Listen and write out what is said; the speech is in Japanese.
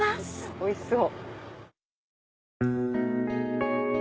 おいしそう。